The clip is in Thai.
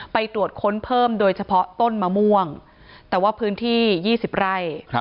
ไปตรวจค้นเพิ่มโดยเฉพาะต้นมะม่วงแต่ว่าพื้นที่๒๐ไร่